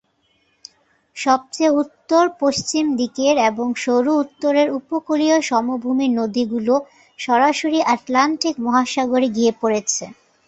সবচেয়ে উত্তর-পশ্চিম দিকের এবং সরু উত্তরের উপকূলীয় সমভূমির নদীগুলি সরাসরি আটলান্টিক মহাসাগরে গিয়ে পড়েছে।